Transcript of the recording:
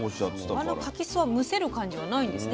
あの柿酢はむせる感じはないんですね？